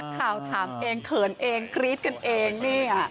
ข่าวถามเองเขินเองกรี๊ดกันเองเนี่ย